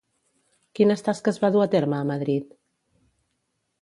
Quines tasques va dur a terme a Madrid?